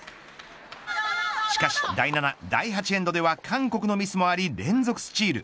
しかし第７、第８エンドでは韓国のミスもあり連続スチール。